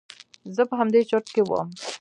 زه په همدې چورت کښې وم.